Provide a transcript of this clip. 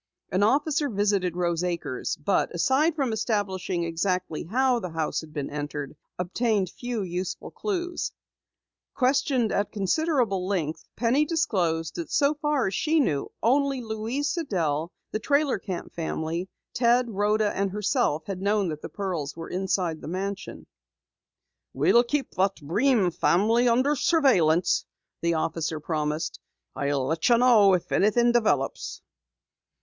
An officer visited Rose Acres, but aside from establishing exactly how the house had been entered, obtained few useful clues. Questioned at considerable length, Penny disclosed that so far as she knew only Louise Sidell, the trailer camp family, Ted, Rhoda and herself had known that the pearls were in the mansion. "We'll keep that Breen family under surveillance," the officer promised. "I'll let you know if anything develops."